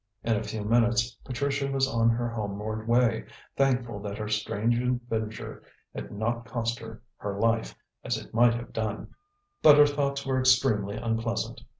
In a few minutes Patricia was on her homeward way, thankful that her strange adventure had not cost her her life, as it might have done. But her thoughts were extremely unpleasant.